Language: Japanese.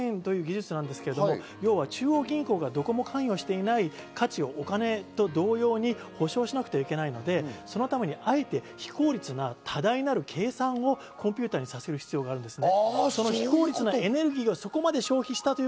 作るためにはブロックチェーンという技術なんですけど、中央銀行がどこも関与していない価値をお金と同様に保証しなくてはいけないので、そのためにあえて非効率な多大なる計算をコンピューターにさせる必要があるんですね。